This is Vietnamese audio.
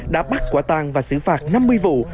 đã bắt quả tang và xử phạt năm mươi vụ